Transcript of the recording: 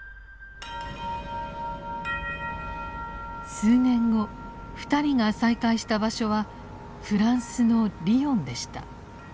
数年後二人が再会した場所はフランスのリヨンでした。